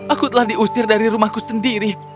aku telah diusir dari rumahku sendiri